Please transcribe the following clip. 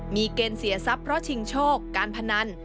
มีเกณฑ์เสียทรัพย์เพราะชิงโชคการพนัน